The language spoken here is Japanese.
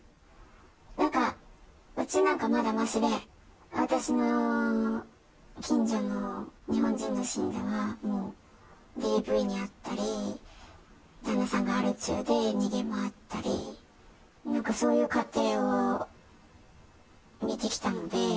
だから、うちなんかまだましで、私の近所の日本人の信者はもう、ＤＶに遭ったり、旦那さんがアル中で逃げ回ったり、そういう家庭を見てきたので。